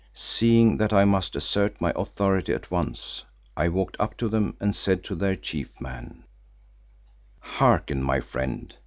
Seeing that I must assert my authority at once, I walked up to them and said to their chief man, "Hearken, my friend.